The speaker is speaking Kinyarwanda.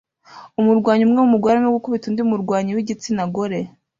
Umurwanyi umwe wumugore arimo gukubita undi murwanyi wigitsina gore